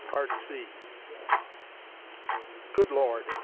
PART III "Good Lord!"